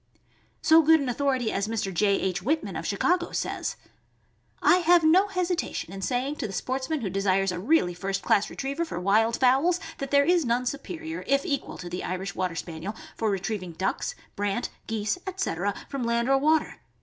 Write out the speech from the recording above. So good an authority as Mr. J. H. Whitman, of Chicago, says: I have no hesitation in saying to the sportsman who desires a really first class retriever for wild fowls, there is none superior, if equal, to the Irish Water Spaniel for retrieving ducks, brant, geese, etc., from land or water.